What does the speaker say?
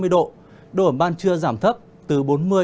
độ ở ban trưa giảm thấp từ bốn mươi năm mươi